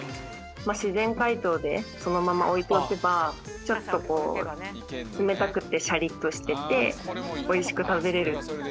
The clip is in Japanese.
自然解凍でそのまま置いておけばちょっとこう冷たくてシャリッとしてて美味しく食べれる。